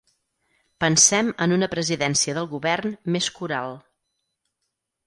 Pensem en una presidència del govern més coral.